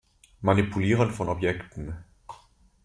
Manipulieren von Objekten.